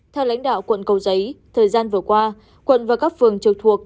theo lãnh đạo quận cầu giấy thời gian vừa qua quận và các phường trực thuộc